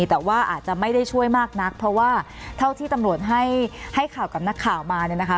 แต่ว่าอาจจะไม่ได้ช่วยมากนักเพราะว่าเท่าที่ตำรวจให้ข่าวกับนักข่าวมาเนี่ยนะคะ